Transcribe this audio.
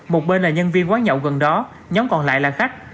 một bên là nhân viên quán nhậu gần đó nhóm còn lại là khách